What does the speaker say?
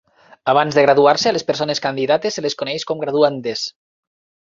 Abans de graduar-se, a les persones candidates se les coneix com graduandes.